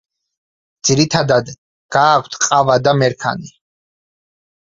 ძირითადად გააქვთ ყავა და მერქანი.